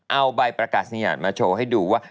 เอาใบประกาศสยานมาโชว์ให้ดูว่า